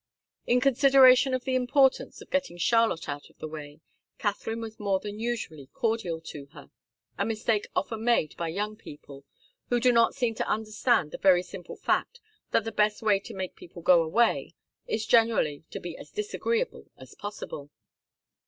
In consideration of the importance of getting Charlotte out of the way, Katharine was more than usually cordial to her a mistake often made by young people, who do not seem to understand the very simple fact that the best way to make people go away is generally to be as disagreeable as possible.